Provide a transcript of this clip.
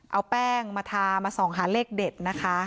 เอาแป้งมาทามาส่องหาเลขเด็ดนะคะ